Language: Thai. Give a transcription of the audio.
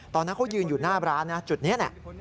ตอนนั้นเขายืนอยู่หน้าร้านนะจุดนี้เนี่ย